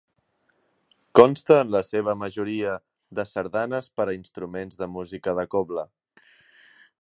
Consta en la seva majoria de sardanes per a instruments de música de cobla.